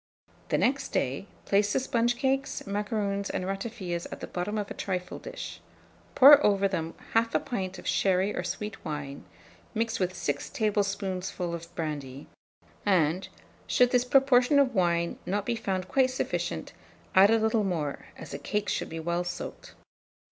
The next day, place the sponge cakes, macaroons, and ratafias at the bottom of a trifle dish; pour over them 1/2 pint of sherry or sweet wine, mixed with 6 tablespoonfuls of brandy, and, should this proportion of wine not be found quite sufficient, add a little more, as the cakes should be well soaked.